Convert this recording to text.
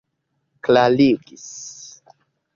klarigis